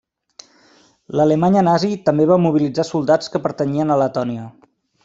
L'Alemanya nazi també va mobilitzar soldats que pertanyien a Letònia.